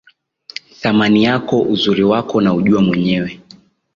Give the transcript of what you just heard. Thamani yako, uzuri wako, naujua mwenyewe.